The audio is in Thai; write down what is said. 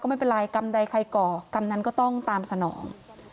ไม่เป็นไรกรรมใดใครก่อกรรมนั้นก็ต้องตามสนอง